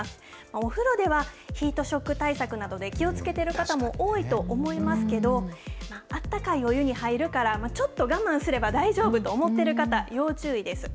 お風呂では、ヒートショック対策などで気をつけてる方も多いと思いますけど、あったかいお湯に入るから、ちょっと我慢すれば大丈夫と思ってる方、要注意です。